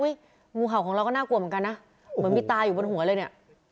งูเห่าของเราก็น่ากลัวเหมือนกันนะเหมือนมีตาอยู่บนหัวเลยเนี่ย